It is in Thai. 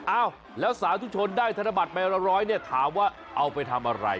อ้าวแล้วสาธุชนได้ธนบัตรใบละร้อยเนี่ยถามว่าเอาไปทำอะไร